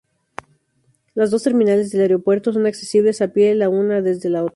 Las dos terminales del aeropuerto son accesibles a pie la una desde la otra.